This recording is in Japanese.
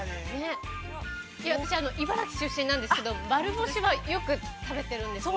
◆私、茨城出身なんですけれども、丸干しは、よく食べてるんですね。